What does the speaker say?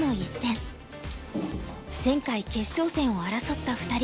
前回決勝戦を争った２人。